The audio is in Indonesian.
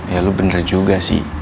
ya lo bener juga sih